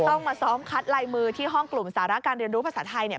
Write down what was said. ต้องมาซ้อมคัดลายมือที่ห้องกลุ่มสาระการเรียนรู้ภาษาไทยเนี่ย